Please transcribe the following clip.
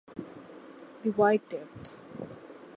The white death.